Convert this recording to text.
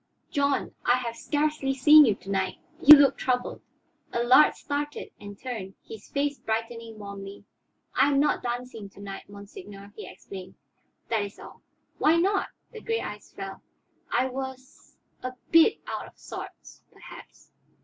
"John, I have scarcely seen you to night. You look troubled." Allard started and turned, his face brightening warmly. "I am not dancing to night, monseigneur," he explained. "That is all." "Why not?" The gray eyes fell. "I was a bit out of sorts, perhaps."